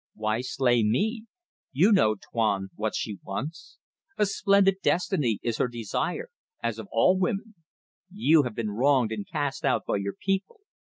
"Why slay me? You know, Tuan, what she wants. A splendid destiny is her desire as of all women. You have been wronged and cast out by your people.